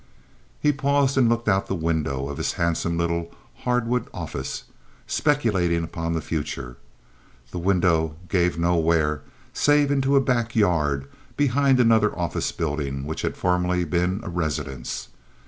He paused and looked out the window of his handsome little hardwood office, speculating upon the future. The window gave nowhere save into a back yard behind another office building which had formerly been a residence.